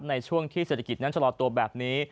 ในช่วงที่เศรษฐกิจนั้นชะลอตัวแบบนี้